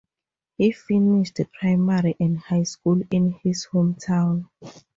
He finished primary and high school in his hometown.